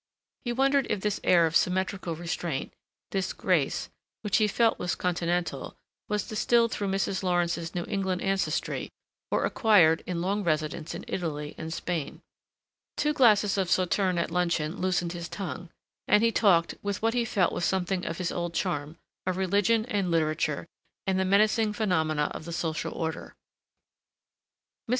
He wondered if this air of symmetrical restraint, this grace, which he felt was continental, was distilled through Mrs. Lawrence's New England ancestry or acquired in long residence in Italy and Spain. Two glasses of sauterne at luncheon loosened his tongue, and he talked, with what he felt was something of his old charm, of religion and literature and the menacing phenomena of the social order. Mrs.